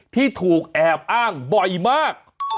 ที่ถูกแอบอ้างบ่อยมาก